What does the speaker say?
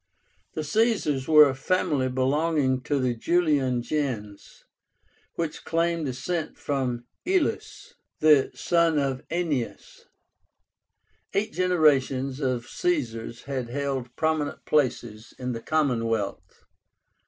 The Caesars were a family belonging to the Julian gens, which claimed descent from IÚLUS, the son of AENÉAS. Eight generations of Caesars had held prominent places in the commonwealth.